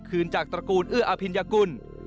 คืนจากตระกูลเอื้ออภิญญากุล